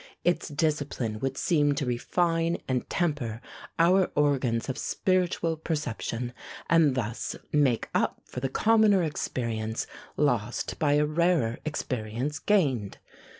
Its discipline would seem to refine and temper our organs of spiritual perception, and thus make up for the commoner experience lost by a rarer experience gained.